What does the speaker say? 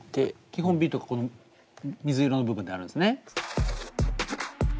基本ビートがこの水色の部分であるんですね。